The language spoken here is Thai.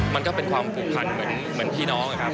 มันก็เป็นความผูกพันเหมือนพี่น้องนะครับ